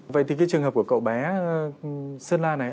vậy thì cái trường hợp của cậu bé sơn la này